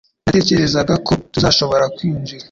Sinatekerezaga ko tuzashobora kwinjira